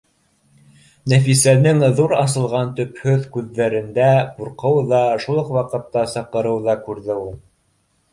Нәфисәнең ҙур асылған төпһөҙ күҙҙәрендә ҡурҡыу ҙа, шул уҡ ваҡытта саҡырыу ҙа күрҙе ул